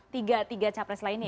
tiga tiga capres lainnya